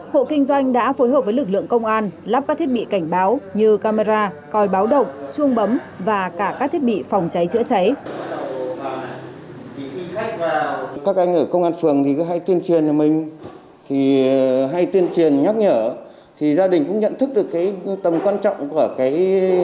hộ kinh doanh đã phối hợp với lực lượng công an lắp các thiết bị cảnh báo như camera coi báo động chuông bấm và cả các thiết bị phòng cháy chữa cháy